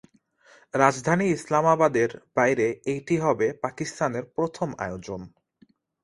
রাজধানী ইসলামাবাদের বাইরে এটি হবে পাকিস্তানের প্রথম আয়োজন।